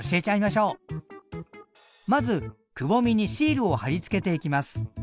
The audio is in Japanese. まずくぼみにシールを貼り付けていきます。